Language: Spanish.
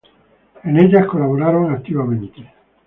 En ellas colaboraron activamente.